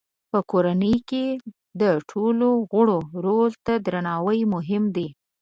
په کورنۍ کې د ټولو غړو رول ته درناوی مهم دی.